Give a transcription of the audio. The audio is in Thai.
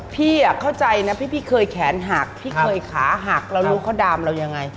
พี่เข้าใจนะว่าเคยแขนหักพี่เคยขาหักเรารู้เขาอีกเดียวว่าดำตะเป็นเรื่องอะไร